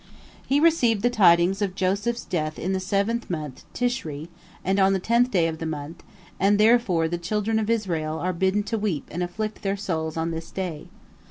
He received the tidings of Joseph's death in the seventh month, Tishri, and on the tenth day of the month, and therefore the children of Israel are bidden to weep and afflict their souls on this day.